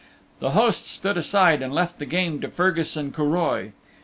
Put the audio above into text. The hosts stood aside and left the game to Fergus and Curoi.